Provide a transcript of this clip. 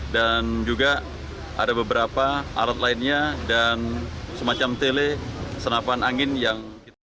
juga ada beberapa alat lainnya dan semacam tele senapan angin yang kita